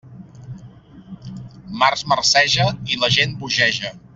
Març marceja... i la gent bogeja.